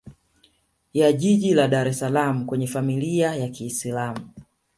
ya jiji la Dar es salaam kwenye Familia ya kiislam